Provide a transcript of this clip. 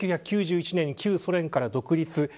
１９９１年に旧ソ連から独立。